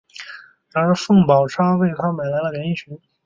而凤宝钗则为他买来了连衣裙。